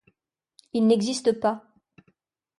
Il n'existe pas.